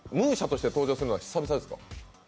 ＭＵＳＩＡとして登場するのは久々ですか？